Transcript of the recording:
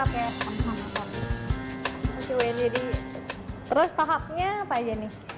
terus tahapnya apa aja nih